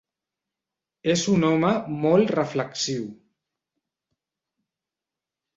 És un home molt reflexiu.